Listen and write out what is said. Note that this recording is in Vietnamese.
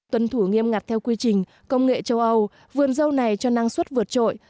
tuân thủ nghiêm ngặt theo quy trình công nghệ châu âu vườn dâu này cho năng suất vượt trội